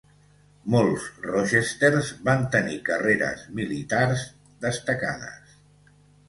Molts Rochesters van tenir carreres militars destacades.